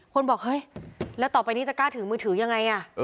คนบอกเฮ้ยแล้วต่อไปนี้จะกล้าถือมือถือยังไง